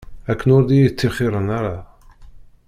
Akken ur d iyi-ttixiṛen ara.